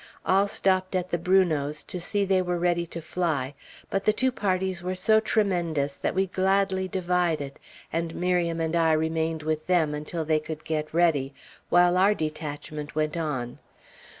All stopped at the Brunots', to see that they were ready to fly; but the two parties were so tremendous that we gladly divided, and Miriam and I remained with them until they could get ready, while our detachment went on.